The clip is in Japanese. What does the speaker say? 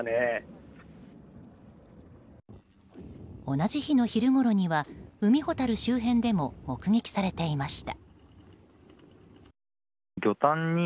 同じ日の昼ごろには海ほたる周辺でも目撃されていました。